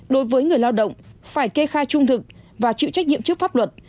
đối với người lao động phải kê khai trung thực và chịu trách nhiệm trước pháp luật